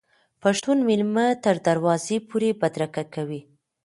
پښتون میلمه تر دروازې پورې بدرګه کوي.